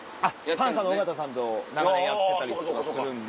パンサーの尾形さんと長年やってたりとかするんで。